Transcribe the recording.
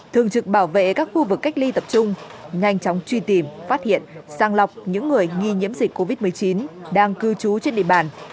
thường trực bảo vệ các khu vực cách ly tập trung nhanh chóng truy tìm phát hiện sàng lọc những người nghi nhiễm dịch covid một mươi chín đang cư trú trên địa bàn